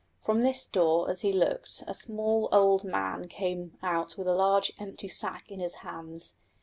From this door as he looked a small old man came out with a large empty sack in his hands.